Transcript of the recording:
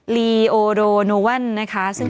ลีโอโดโนวัน